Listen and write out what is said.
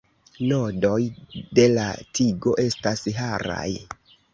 Nodoj de la tigo estas haraj.